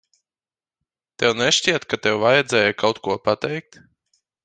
Tev nešķiet, ka tev vajadzēja kaut ko pateikt?